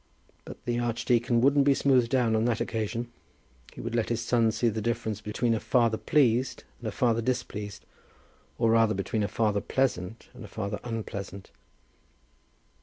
But the archdeacon wouldn't be smoothed down on that occasion. He would let his son see the difference between a father pleased, and a father displeased, or rather between a father pleasant, and a father unpleasant.